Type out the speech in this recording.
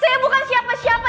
saya bukan siapa siapa